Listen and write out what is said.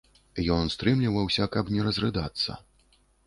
Ён стрымліваўся, каб не разрыдацца.